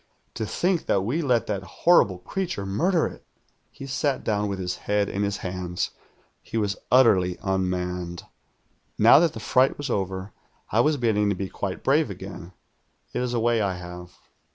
To think that we let that horri ])le creature murder it.' "He sat down with his head in his hands. He was utterly unmanned. "Xow that the fright was over, I was beginning io be quite brave again. It is a way I have.